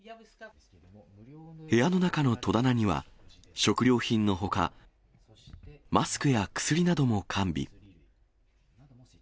部屋の中の戸棚には、食料品のほか、マスクや薬なども完備。